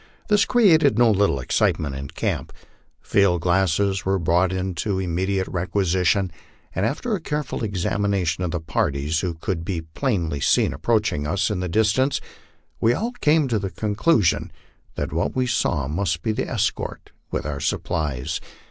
This created no little excitement in camp. Field glasses were brought into imme diate requisition, and after a careful examination of the parties, who could be plainly seen approaching us in the distance, we all came to the conclusion that what we saw must be the escort with our supplies.